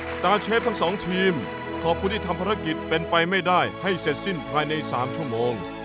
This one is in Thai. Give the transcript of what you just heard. สตาร์เชฟทั้งสองทีมขอบคุณที่ทำภารกิจเป็นไปไม่ได้ให้เสร็จสิ้นภายใน๓ชั่วโมง